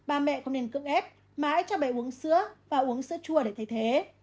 uống sữa chua để thay thế